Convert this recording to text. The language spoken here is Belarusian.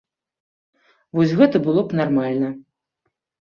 Вось гэта было б нармальна.